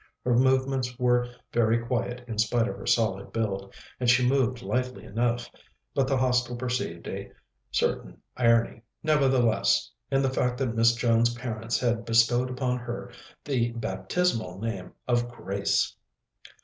Her movements were very quiet in spite of her solid build, and she moved lightly enough, but the Hostel perceived a certain irony, nevertheless, in the fact that Miss Jones's parents had bestowed upon her the baptismal name of Grace.